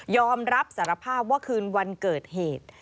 อมรับสารภาพว่าคืนวันเกิดเหตุ